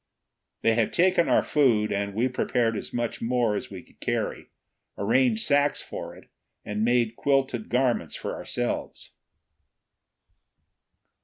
They had taken our food, and we prepared as much more as we could carry, arranged sacks for it, and made quilted garments for ourselves.